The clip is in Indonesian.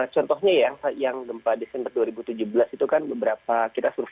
contohnya yang gempa desember dua ribu tujuh belas itu kan beberapa